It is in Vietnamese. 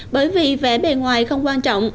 bởi vì vẻ bề ngoài không quan trọng